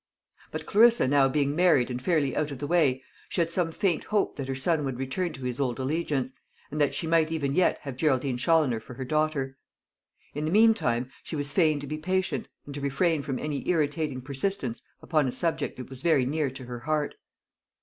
But Clarissa now being married and fairly out of the way, she had some faint hope that her son would return to his old allegiance, and that she might even yet have Geraldine Challoner for her daughter. In the meantime she was fain to be patient, and to refrain from any irritating persistence upon a subject that was very near to her heart.